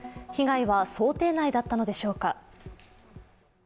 被害は想定内だったのでしょうか。